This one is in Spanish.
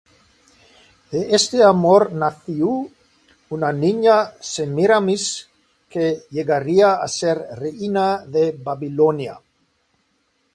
De este amor nació una niña, Semíramis, que llegaría a ser reina de Babilonia.